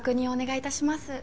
お願いいたします。